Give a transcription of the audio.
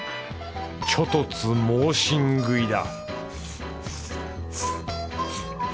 猪突猛進食いだ